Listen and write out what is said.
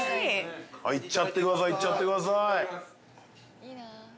◆いっちゃってくださいいっちゃってください。